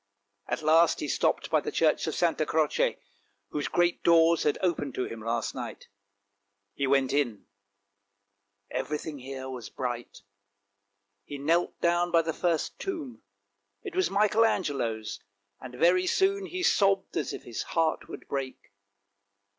At last he stopped by the church of Santa Croce, whose great doors had opened to him last night. He went in; everything here was bright. He knelt down by the first tomb. It was Michael Angelo's, and very soon he sobbed as if his heart would break.